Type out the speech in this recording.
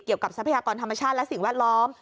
เกี่ยวกับทรัพยากรธรรมชาติและสิ่งแวดล้อม